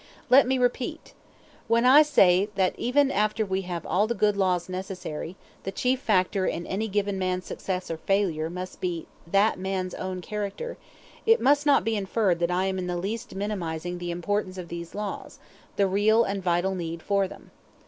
Let me repeat. When I say, that, even after we have all the good laws necessary, the chief factor in any given man's success or failure must be that man's own character, it must not be inferred that I am in the least minimizing the importance of these laws, the real and vital need for them.